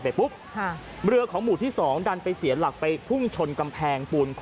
เฮ้ยเฮ้ยเฮ้ยเฮ้ย